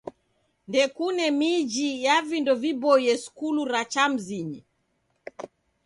Ndekune miji ya vindo viboie skulu ra cha mzinyi.